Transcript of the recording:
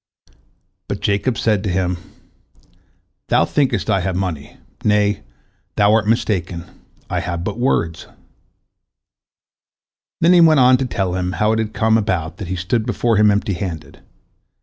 But Jacob said to him: "Thou thinkest I have money. Nay, thou art mistaken, I have but words." Then he went on to tell him how it had come about that he stood before him empty handed.